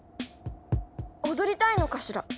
踊りたいのかしら？